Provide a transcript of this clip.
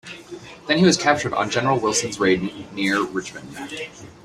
Then he was captured on General Wilson's raid near Richmond.